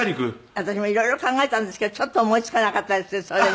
私も色々考えたんですけどちょっと思いつかなかったですねそれね。